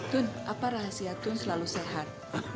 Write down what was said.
tun apa rahasia tun selalu sehat